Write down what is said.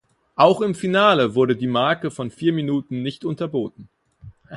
Auch im Finale wurde die Marke von vier Minuten nicht unterboten.